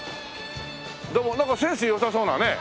でもなんかセンス良さそうなね。